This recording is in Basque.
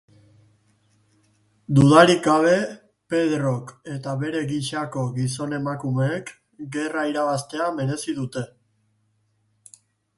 Dudarik gabe, Pedrok eta bere gisako gizon-emakumeek gerra irabaztea merezi dute...